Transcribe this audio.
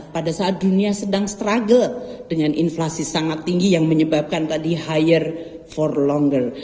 pada saat dunia sedang struggle dengan inflasi sangat tinggi yang menyebabkan tadi hire for longer